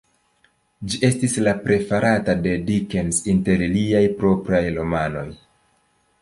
Ĝi estis la preferata de Dickens inter liaj propraj romanoj.